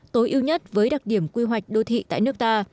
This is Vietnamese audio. tối ưu nhất với đặc điểm quy hoạch đô thị tại nước ta